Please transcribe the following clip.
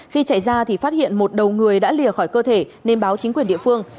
khi chạy ra thì phát hiện một đầu người đã lìa khỏi cơ thể nên báo chính quyền địa phương